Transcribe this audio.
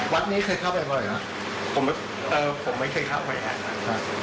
วัดนี้เคยเข้าไปเมื่อไหร่หรือเปล่าผมไม่เคยเข้าไปนะครับ